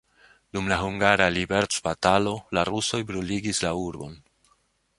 Dum la hungara liberecbatalo la rusoj bruligis la urbon.